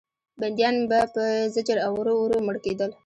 بندیان به په زجر او ورو ورو مړه کېدل.